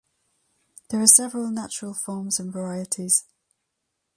There are several natural forms and varieties.